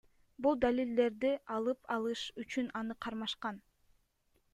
Бул далилдерди алып алыш үчүн аны кармашкан.